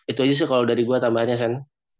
itu aja sih kalau dari gue tambahannya sen